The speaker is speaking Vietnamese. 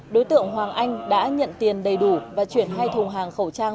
đối tượng hoàng anh đã nhận tiền đầy đủ và chuyển hai thùng hàng khẩu trang